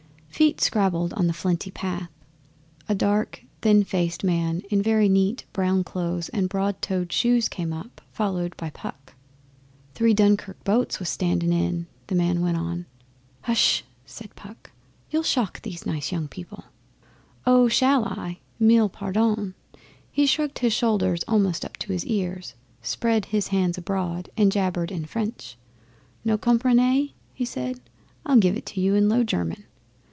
Feet scrabbled on the flinty path. A dark, thin faced man in very neat brown clothes and broad toed shoes came up, followed by Puck. 'Three Dunkirk boats was standin' in!' the man went on. 'Hssh!' said Puck. 'You'll shock these nice young people.' 'Oh! Shall I? Mille pardons!' He shrugged his shoulders almost up to his ears spread his hands abroad, and jabbered in French. 'No comprenny?' he said. 'I'll give it you in Low German.